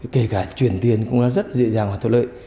kể cả chuyển tiền cũng rất dễ dàng và thuận lợi